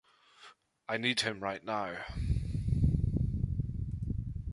I need him right now.